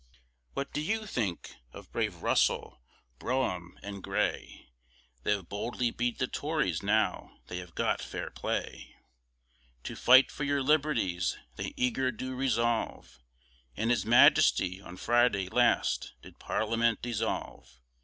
What do you think of brave Russell, Brougham, & Grey, They have boldly beat the Tories now they have got fair play, To fight for your liberties they eager do resolve, And his Majesty on Friday last did Parliament dissolve.